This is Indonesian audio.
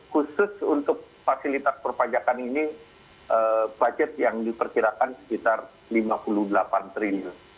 khusus untuk fasilitas perpajakan ini budget yang diperkirakan sekitar rp lima puluh delapan triliun